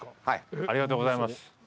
ありがとうございます。